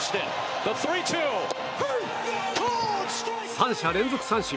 ３者連続三振！